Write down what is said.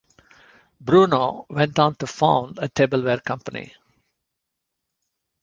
Bruno went on to found a tableware company.